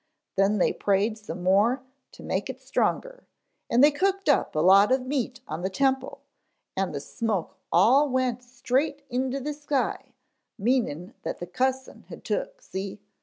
Then they prayed some more to make it stronger, and they cooked up a lot of meat on the temple and the smoke all went straight into the sky, meanin' that the cussin' had took, see!